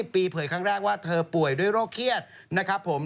ปีเผยครั้งแรกว่าเธอป่วยด้วยโรคเครียดนะครับผม